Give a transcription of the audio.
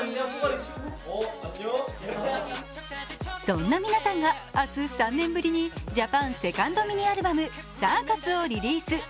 そんな皆さんが明日、３年ぶりにジャパンセカンドミニアルバム、「ＣＩＲＣＵＳ」をリリース。